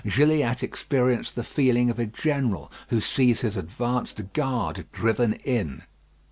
Gilliatt experienced the feeling of a general who sees his advanced guard driven in.